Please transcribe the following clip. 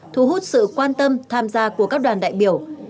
thu hút sự quan tâm tham gia của các đoàn đại biểu